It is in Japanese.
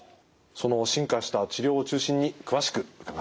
その進化した治療を中心に詳しく伺っていきます。